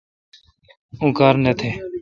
اوں کار نہ تھ۔